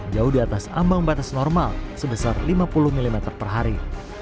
jauh di atas ambang batas normal sebesar lima puluh mm per hari